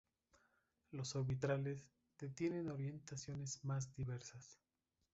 Los orbitales d tienen orientaciones más diversas.